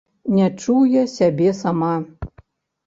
Не чуе сябе сама.